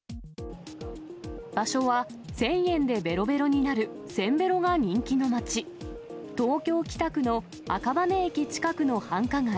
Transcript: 場所は１０００円でべろべろになる、せんべろが人気の街、東京・北区の赤羽駅近くの繁華街。